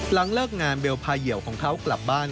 หลังเลิกงานเบลพาเหยื่อของเขากลับบ้าน